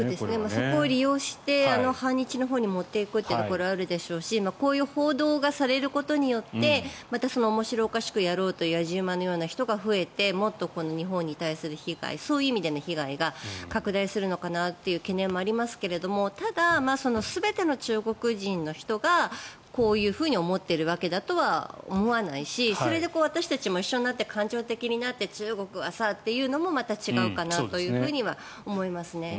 そこを利用して反日のほうに持っていくというところはあるでしょうしこういう報道がされることによってまたその面白おかしくやろうと野次馬のような人が増えてもっと日本に対するそういう意味での被害が拡大するのかなという懸念もありますがただ、全ての中国人の人がこういうふうに思っているわけだとは思わないしそれで私たちも一緒になって感情的になって中国はさというのもまた違うかなとは思いますね。